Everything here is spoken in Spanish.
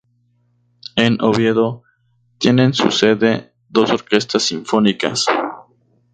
En Oviedo tienen su sede dos orquestas sinfónicas.